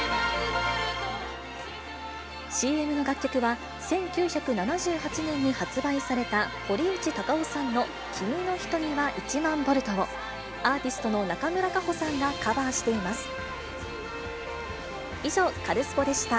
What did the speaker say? ＣＭの楽曲は、１９７８年に発売された、堀内孝雄さんの君のひとみは１００００ボルトを、アーティストの中村佳穂さんがカバーしています。